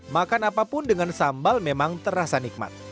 makan apapun dengan sambal memang terasa nikmat